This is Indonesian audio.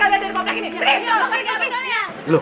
nanti bu ima kecapean lagi loh